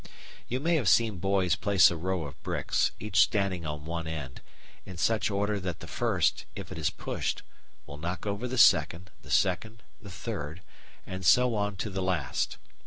You may have seen boys place a row of bricks, each standing on one end, in such order that the first, if it is pushed, will knock over the second, the second the third, and so on to the last.